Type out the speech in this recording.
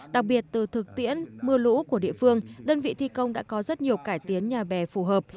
đặc biệt từ thực tiễn mưa lũ của địa phương đơn vị thi công đã có rất nhiều cải tiến nhà bè phù hợp